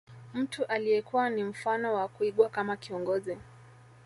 Mtu aliyekuwa ni mfano wa kuigwa kama kiongozi